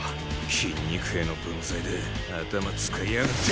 筋肉兵の分際で頭使いやがって！